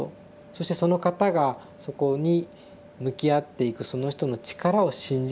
そしてその方がそこに向き合っていくその人の力を信じるということ。